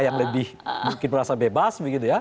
yang lebih mungkin merasa bebas begitu ya